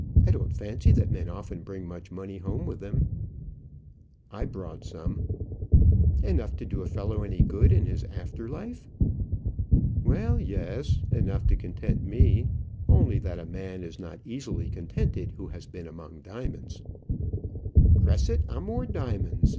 I don't fancy that men often bring much money home with them." "I brought some." "Enough to do a fellow any good in his after life?" "Well, yes; enough to content me, only that a man is not easily contented who has been among diamonds." "Crescit amor diamonds!"